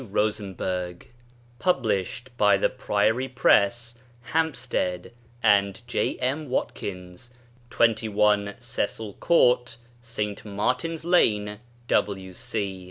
ROSENBERG Published by THE PRIORY PRESS, HAMPSTEAD AND J. M. WATKINS, 21, CECIL COURT ST. MARTIN'S LANE, W.C.